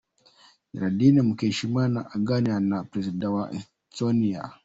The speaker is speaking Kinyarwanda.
Geraldine Mukeshimana aganira na perezida wa Estonia.